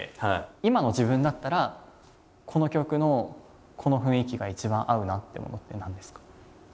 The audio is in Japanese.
今の自分だったらこの曲のこの雰囲気が一番合うなっていうものって何ですか？